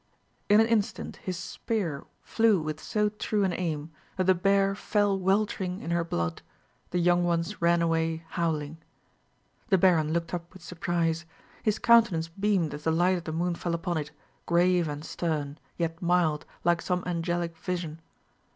In an instant his spear flew with so true an aim that the bear fell weltering in her blood; the young ones ran away howling. The baron looked up with surprise. His countenance beamed as the light of the moon fell upon it, grave and stern, yet mild, like some angelic vision.